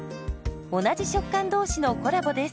同じ食感同士のコラボです。